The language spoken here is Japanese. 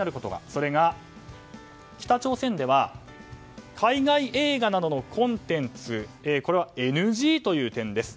それは北朝鮮では海外映画などのコンテンツはＮＧという点です。